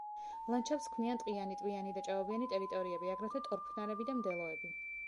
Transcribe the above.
ლანდშაფტს ქმნიან ტყიანი, ტბიანი და ჭაობიანი ტერიტორიები; აგრეთვე ტორფნარები და მდელოები.